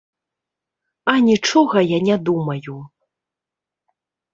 А нічога я не думаю.